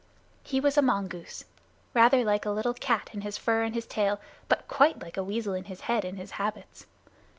He was a mongoose, rather like a little cat in his fur and his tail, but quite like a weasel in his head and his habits.